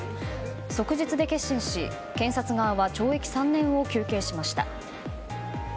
即日で結審し検察側は懲役３年を求刑しました。